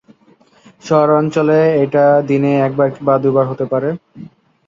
শহরাঞ্চলে, এটা দিনে একবার কিংবা দুইবার হতে পারে।